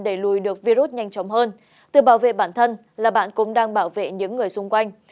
để lùi được virus nhanh chóng hơn tự bảo vệ bản thân là bạn cũng đang bảo vệ những người xung quanh